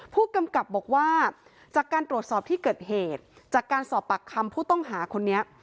ผู้กำกับบอกว่าจากการตรวจสอบที่เกิดเหตุจากการสอบปากคำผู้ต้องหาคนนี้